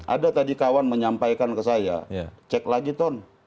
ada tadi kawan menyampaikan ke saya cek lagi ton